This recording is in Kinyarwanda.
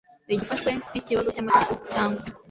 igifashwe nk ikibazo cy amategeko cyangwa